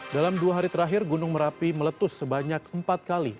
dalam dua hari terakhir gunung merapi meletus sebanyak empat kali